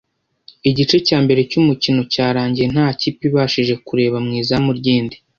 Igice cya mbere cy’umukino cyarangiye nta kipe ibashije kureba mu izamu ry’indi